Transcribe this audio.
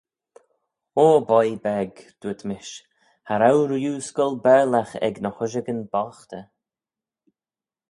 "Aw, boy beg," dooyrt mish, "cha row rieau scoill Baarlagh ec ny h-ushagyn boghtey."